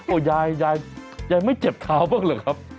ยายยายไม่เจ็บเท้าบ้างเหรอครับ